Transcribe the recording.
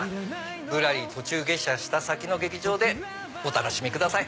ぶらり途中下車した先の劇場でお楽しみください